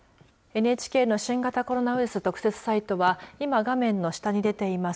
ＮＨＫの新型コロナウイルス特設サイトは今、画面の下に出ています